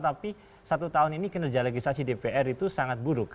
tapi satu tahun ini kinerja legislasi dpr itu sangat buruk